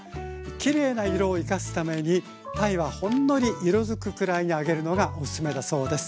きれいな色を生かすために鯛はほんのり色づくくらいに揚げるのがおすすめだそうです。